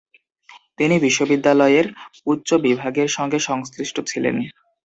তিনি বিশ্ববিদ্যালয়ের উচ্চ বিভাগের সঙ্গে সংশ্লিষ্ট ছিলেন।